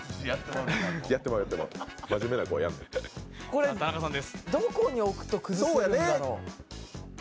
これ、どこに置くと崩れるんだろう？